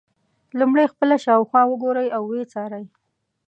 لومړی خپله شاوخوا وګورئ او ویې څارئ.